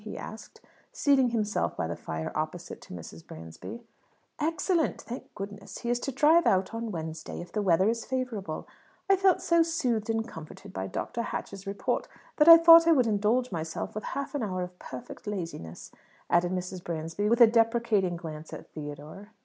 he asked, seating himself by the fire opposite to Mrs. Bransby. "Excellent, thank goodness! He is to drive out on Wednesday, if the weather is favourable. I felt so soothed and comforted by Dr. Hatch's report, that I thought I would indulge myself with half an hour of perfect laziness," added Mrs. Bransby, with a deprecating glance at Theodore.